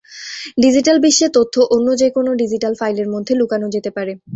Digital বিশ্বে তথ্য অন্য যে কোনও ডিজিটাল ফাইলের মধ্যে লুকানো যেতে পারে।